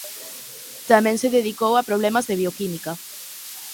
Tamén se dedicou a problemas de bioquímica.